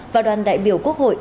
và đoàn đại biểu quốc hội